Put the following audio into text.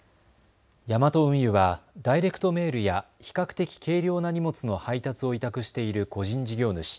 ヤマト運輸はダイレクトメールや比較的軽量な荷物の配達を委託している個人事業主